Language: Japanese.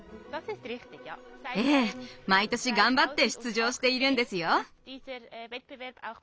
ええ毎年頑張って出場しているんですよ。